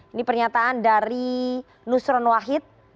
ini pernyataan dari nusron wahid